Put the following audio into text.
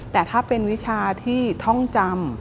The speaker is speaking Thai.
แต่ถ้าเป็นวิชาที่ท่องจำ